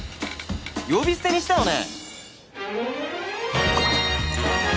呼び捨てにしたよね！？